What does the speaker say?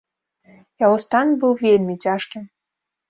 Яго стан быў вельмі цяжкім.